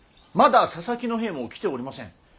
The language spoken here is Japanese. まだ佐々木の兵も来ておりません。